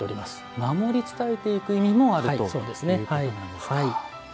守り伝えていく意味もあるということなんですか。